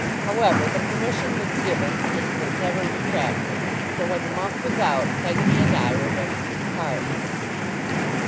However, the permission was given, and was never retracted; for when the month was out, Peggotty and I were ready to depart.